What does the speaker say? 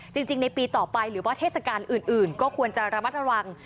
จริงในปีต่อไปหรือว่าเทศกาลอื่นก็ควรจะระมัดระวัง